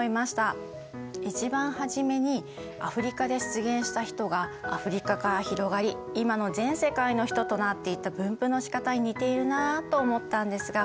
一番初めにアフリカで出現したヒトがアフリカから広がり今の全世界のヒトとなっていった分布のしかたに似ているなあと思ったんですがどうですか？